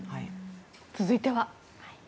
続いては。